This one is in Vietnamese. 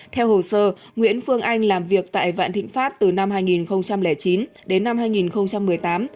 theo hồ sơ nguyễn phương anh làm việc tại vạn thịnh pháp từ năm hai nghìn chín đến năm hai nghìn một mươi tám